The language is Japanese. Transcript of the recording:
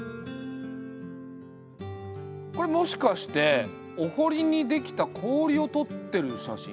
これもしかしてお堀に出来た氷を取ってる写真？